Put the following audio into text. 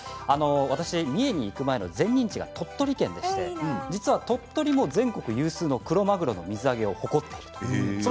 私は三重に行く前の前任地が鳥取県で鳥取も全国有数の黒マグロの水揚げを誇っているんです。